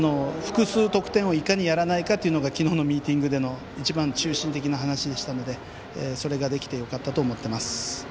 複数得点をいかにやらないかというのが昨日のミーティングでの一番中心の話でしたのでそれができてよかったと思っています。